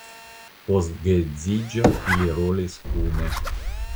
Post la geedziĝo ili rolis kune.